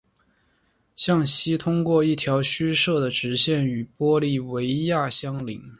向西通过一条虚设的直线与玻利维亚相邻。